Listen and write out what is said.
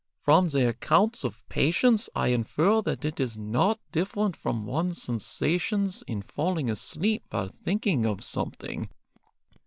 From the accounts of patients I infer that it is not different from one's sensations in falling asleep while thinking of something.